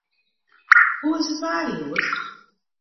Hoe is it waar hjoed?